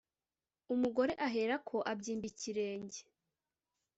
umugore ahera ko abyimba ikirenge